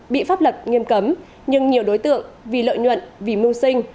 bị pháp luật nghiêm cấm nhưng nhiều đối tượng vì lợi nhuận vì mưu sinh